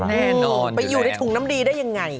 แน่นอนอยู่แหละอืมไปอยู่ในถุงน้ำดีได้อย่างไร